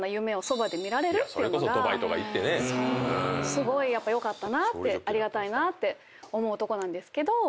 すごいやっぱ良かったなってありがたいなって思うとこなんですけど。